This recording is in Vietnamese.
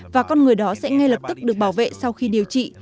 và con người đó sẽ ngay lập tức được bảo vệ sau khi điều trị